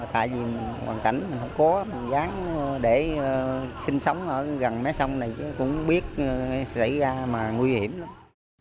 tại vì hoàn cảnh không có mình dám để sinh sống ở gần mấy sông này chứ cũng biết sẽ xảy ra mà nguy hiểm lắm